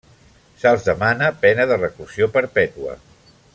Se'ls demana pena de reclusió perpètua.